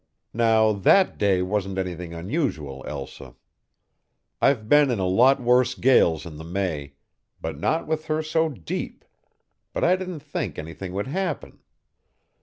Now that day wasn't anything unusual, Elsa. I've been in a lot worse gales in the May, but not with her so deep; but I didn't think anything would happen.